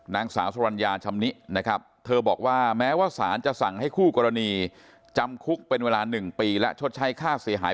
นางสาวสรรญาชำนินะครับเธอบอกว่าแม้ว่าสารจะสั่งให้คู่กรณีจำคุกเป็นเวลา๑ปีและชดใช้ค่าเสียหาย